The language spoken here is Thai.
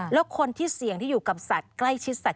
แล้วคนที่เสี่ยงที่อยู่กับสัตว์ใกล้ชิดสัตว